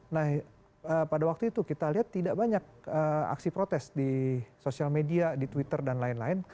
nah pada waktu itu kita lihat tidak banyak aksi protes di sosial media di twitter dan lain lain